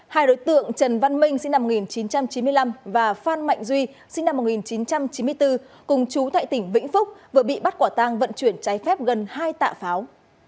hai đối tượng trần văn minh và phan mạnh duy cùng chú tại tỉnh vĩnh phúc vừa bị bắt quả tang vận chuyển cháy phép gần hai tạ pháo